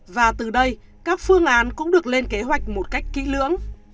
và từ đây các phương án cũng được lên kế hoạch một cách kỹ lưỡng